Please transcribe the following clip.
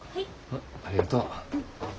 うんありがとう。